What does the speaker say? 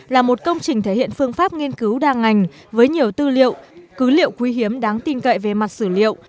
là một công trình thể hiện phương pháp nghiên cứu đa ngành với nhiều tư liệu cứ liệu quý hiếm đáng tin cậy về mặt sử liệu